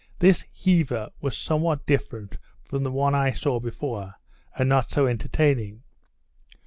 This heava was somewhat different from the one I saw before, and not so entertaining.